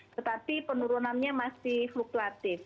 tetapi penurunannya masih fluktuatif